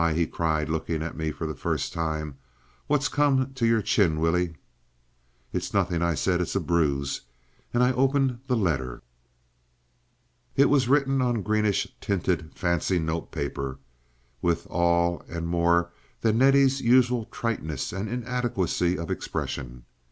he cried, looking at me for the first time, "What's come to your chin, Willie?" "It's nothing," I said. "It's a bruise;" and I opened the letter. It was written on greenish tinted fancy note paper, and with all and more than Nettie's usual triteness and inadequacy of expression.